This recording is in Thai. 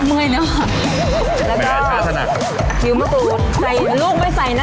เมื่อยเนอะแล้วก็แม้ช้าสนัดผิวมะขุดใส่ลูกไม่ใส่น่ะ